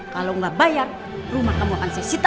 kalo gak bayar rumah kamu akan sesita